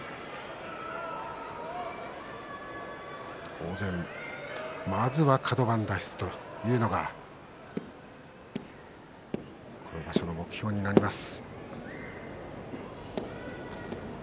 当然まずはカド番脱出というのがこの場所の目標となります。